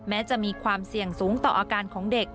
จะมีความเสี่ยงสูงต่ออาการของเด็ก